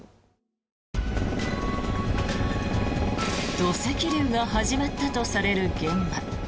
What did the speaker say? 土石流が始まったとされる現場。